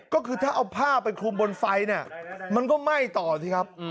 ก็คือถ้าเอาผ้าไปคลุมบนไฟเนี่ยมันก็ไหม้ต่อสิครับ